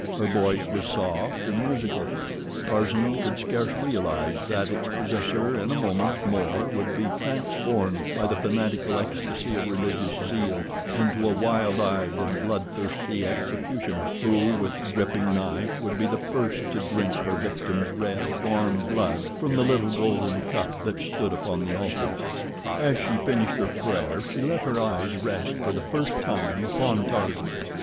Her voice was soft and musical—Tarzan could scarce realize that its possessor in a moment more would be transformed by the fanatical ecstasy of religious zeal into a wild eyed and bloodthirsty executioner, who, with dripping knife, would be the first to drink her victim's red, warm blood from the little golden cup that stood upon the altar. As she finished her prayer she let her eyes rest for the first time upon Tarzan.